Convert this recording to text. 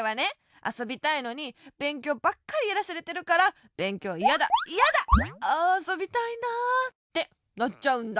あそびたいのにべんきょうばっかりやらされてるから「べんきょういやだいやだ！ああそびたいなあ」ってなっちゃうんだ。